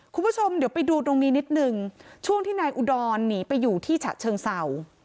คุณผู้ชมเดี๋ยวไปดูตรงนี้นิดนึงช่วงที่นายอุดรหนีไปอยู่ที่ฉะเชิงเศร้า